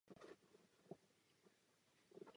Po porážce revoluce žil ve švýcarském a americkém exilu.